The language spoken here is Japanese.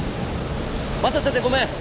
待たせてごめん。